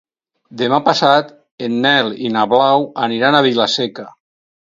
Demà passat en Nel i na Blau aniran a Vila-seca.